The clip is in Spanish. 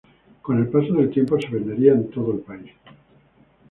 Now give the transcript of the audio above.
Con el paso del tiempo se vendería en todo el país.